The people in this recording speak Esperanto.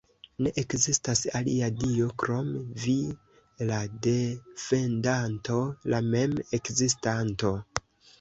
Ne ekzistas alia Dio krom Vi, la Defendanto, la Mem-Ekzistanto.